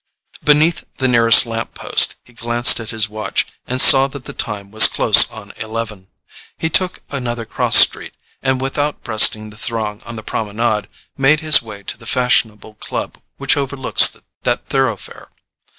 Beneath the nearest lamp post he glanced at his watch and saw that the time was close on eleven. He took another cross street, and without breasting the throng on the Promenade, made his way to the fashionable club which overlooks that thoroughfare.